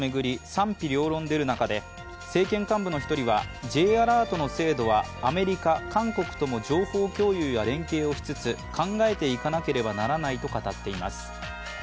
賛否両論出る中で、政権幹部の一人はＪアラートの精度はアメリカ、韓国とも情報共有や連携をしつつ考えていかなければならないと語っています。